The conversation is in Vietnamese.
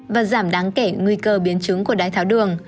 và giảm đáng kể nguy cơ biến chứng của đái tháo đường